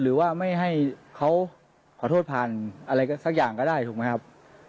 หรือว่าไม่ให้เขาขอโทษผ่านอะไรสักอย่างก็ได้ถูกไหมครับ